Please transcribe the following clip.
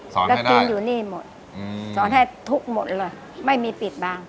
สอนให้ได้แล้วทิ้งอยู่นี่หมดสอนให้ทุกข์หมดเลยไม่มีปิดบาง